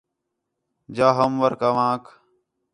جا ہوم ورک اوانک